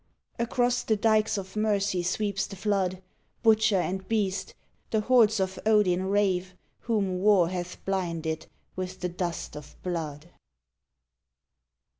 Across the dykes of mercy sweeps the flood; Butcher and beast, the hordes of Odin rave, Whom War hath blinded with the dust of blood